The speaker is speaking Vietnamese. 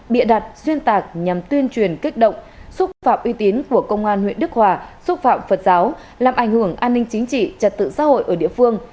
bịa đặt xuyên tạc nhằm tuyên truyền kích động xúc phạm uy tín của công an huyện đức hòa xúc phạm phật giáo làm ảnh hưởng an ninh chính trị trật tự xã hội ở địa phương